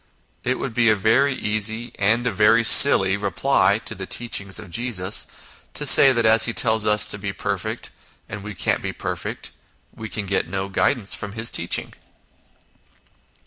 It would be a very easy, and a very silly, reply to the teaching of Jesus, to say that as He tells us to be perfect, and we can't be perfect, we can get no guidance from His teaching.